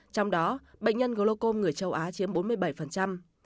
trong đó bệnh nhân glocom người châu á chiếm bốn mươi bảy